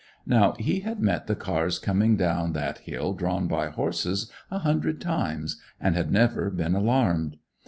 Now he had met the cars coming down that hill, drawn by horses, a hundred times, and had never been alarmed.